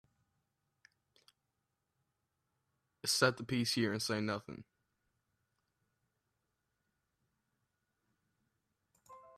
Set the piece here and say nothing.